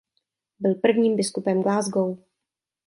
Byl prvním biskupem Glasgow.